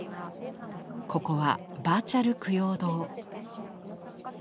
ここは「バーチャル供養堂」。